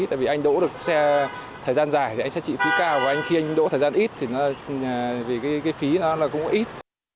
tại vì anh đỗ được xe thời gian dài thì anh sẽ trị phí cao và anh khi anh đỗ thời gian ít thì cái phí nó cũng ít